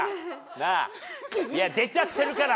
出ちゃってるから！